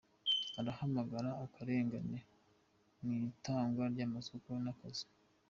aramagana akarengane mw’ itangwa ry’amasoko n’akazi